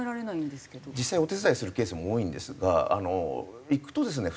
実際お手伝いするケースも多いんですが行くとですね